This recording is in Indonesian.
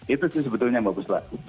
itu sih sebetulnya yang bagus laku